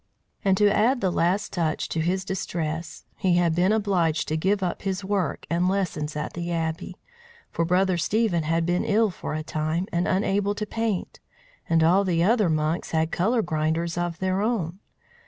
And to add the last touch to his distress, he had been obliged to give up his work and lessons at the Abbey; for Brother Stephen had been ill for a time, and unable to paint, and all the other monks had colour grinders of their own.